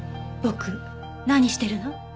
ボク何してるの？